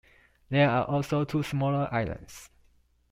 There are also two smaller islands.